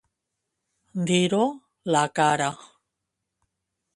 Dir-ho la cara.